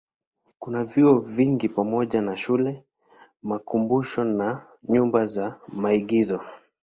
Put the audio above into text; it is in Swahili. Kuna vyuo vingi pamoja na shule, makumbusho na nyumba za maigizo.